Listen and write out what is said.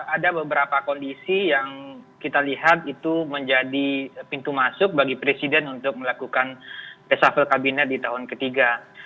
ada beberapa kondisi yang kita lihat itu menjadi pintu masuk bagi presiden untuk melakukan reshuffle kabinet di tahun ketiga